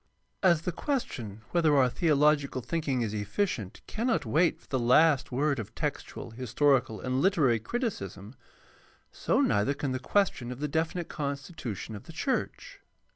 As the question whether our theological thinking is efficient cannot wait for the last word of textual, historical, and literary criticism, so neither can the question of the definite constitution of the church.